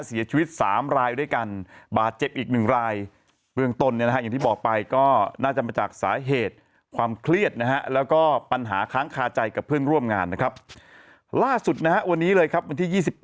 เสียชีวิต๓ลายอยู่ด้วยกัน